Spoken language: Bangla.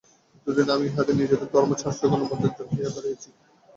এতদিনে আমি ইহাদের নিজেদের ধর্মাচার্যগণের মধ্যে একজন হইয়া দাঁড়াইয়াছি।